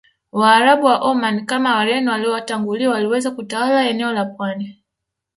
Waarabu wa Omani kama Wareno waliowatangulia waliweza kutawala eneo la pwani